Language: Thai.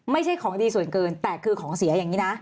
ไม่ใช่ของดีส่วนเกินแต่คือของเสียอย่างนี้นะ